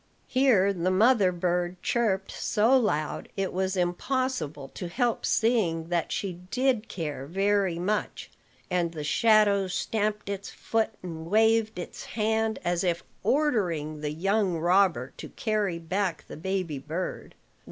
Here the mother bird chirped so loud it was impossible to help seeing that she did care very much; and the shadow stamped its foot and waved its hand, as if ordering the young robber to carry back the baby bird.